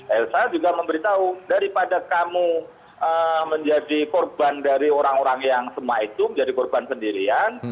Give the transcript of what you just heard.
elsa juga memberitahu daripada kamu menjadi korban dari orang orang yang semua itu menjadi korban sendirian